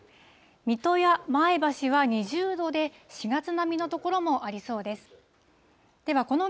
水戸や前橋は２０度で、４月並みの所もありそうです。